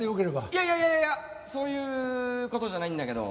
いやいやいやいやそういう事じゃないんだけど。